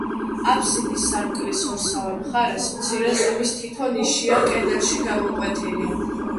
აფსიდის სარკმლის ორსავე მხარეს მცირე ზომის თითო ნიშია კედელში გამოკვეთილი.